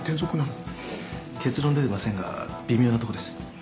結論出てませんが微妙なとこです。